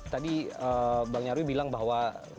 tadi bang nyarwi bilang bahwa